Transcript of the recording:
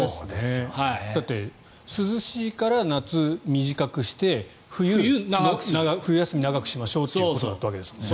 だって、涼しいから夏、短くして冬休み長くしましょうということだったわけですから。